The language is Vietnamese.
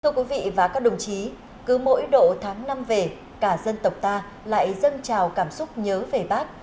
thưa quý vị và các đồng chí cứ mỗi độ tháng năm về cả dân tộc ta lại dâng trào cảm xúc nhớ về bác